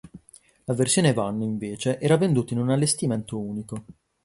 La versione van, invece, era venduta in un allestimento unico.